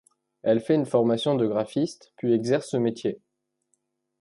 Elle fait une formation de graphiste puis exerce ce métier.